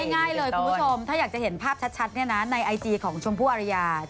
ง่ายเลยคุณผู้ชมถ้าอยากจะเห็นภาพชัดในไอจีของชมพู่อรยา